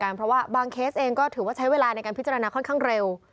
เพราะว่าบางเคสเองก็ถือว่าใช้เวลาในการพิจารณาค่อนข้างเร็ว